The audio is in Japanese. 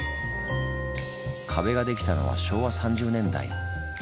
壁ができたのは昭和３０年代。